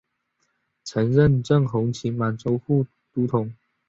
曾任正红旗满洲副都统。